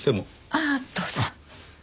ああどうぞ。